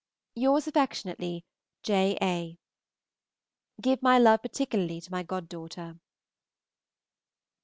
Yours affectionately, J. A. Give my love particularly to my goddaughter.